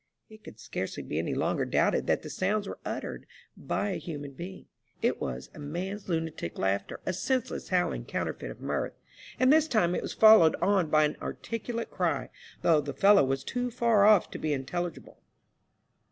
It could scarcely be any longer doubted that the sounds were uttered by a human being. It was a man's lunatic laughter, a senseless howling counterfeit of mirth, and this time it was followed on by an articulate cry, though the feUow was too far off to be intelligible.